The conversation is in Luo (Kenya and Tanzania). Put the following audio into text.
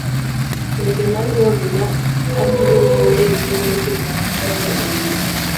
weche maluwogi ma abiro wuoye gin weche madongo e wi